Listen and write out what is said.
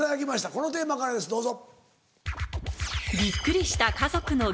このテーマからですどうぞ。